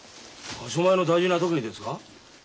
場所前の大事な時にですか？